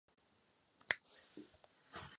Jeho hrob není doposud znám.